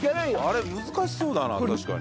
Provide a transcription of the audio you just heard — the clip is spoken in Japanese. あれ難しそうだな確かに。